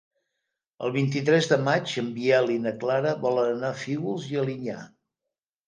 El vint-i-tres de maig en Biel i na Clara volen anar a Fígols i Alinyà.